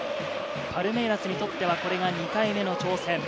パルメイラスにとってはこれが２回目の挑戦。